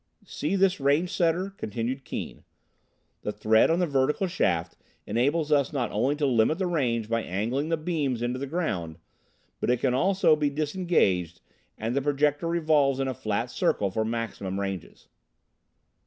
"See this range setter?" continued Keane. "The thread on the vertical shaft enables us not only to limit the range by angling the beams into the ground, but it can also be disengaged and the Projector revolved in a flat circle for maximum ranges."